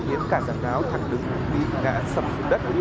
khiến cả giàn giáo thẳng đứng bị ngã sập xuống đất